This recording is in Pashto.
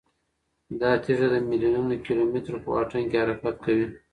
دا تیږه د میلیونونو کیلومترو په واټن کې حرکت کوي.